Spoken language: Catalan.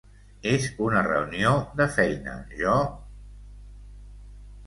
És una reunió de feina, jo...